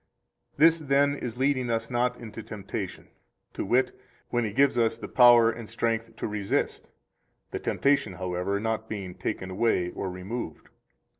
106 This, then, is leading us not into temptation, to wit, when He gives us power and strength to resist, the temptation, however, not being taken away or removed.